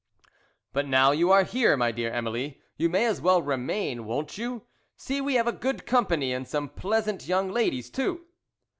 "But now you are here, my dear Emily, you may as well remain; won't you? See, we have a good company and some pleasant young ladies too!"